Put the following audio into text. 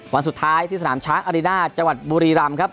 วันสุดท้ายที่สนามช้างอารีน่าจังหวัดบุรีรำครับ